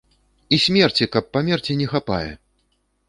І смерці, каб памерці, не хапае!